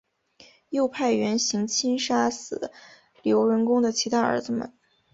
又派元行钦杀死刘仁恭的其他儿子们。